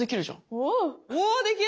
おできる！